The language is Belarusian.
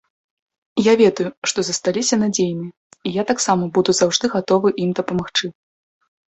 Я ведаю, што засталіся надзейныя, і я таксама буду заўжды гатовы ім дапамагчы.